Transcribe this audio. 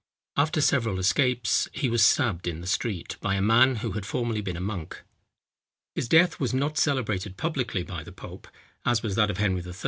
After several escapes, he was stabbed in the street, by a man who had formerly been a monk. His death was not celebrated publicly by the pope, as was that of Henry III.